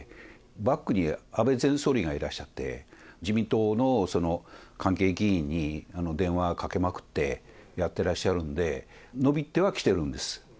バックに安倍前総理がいらっしゃって、自民党の関係議員に電話かけまくってやってらっしゃるんで、伸びてはきてるんです。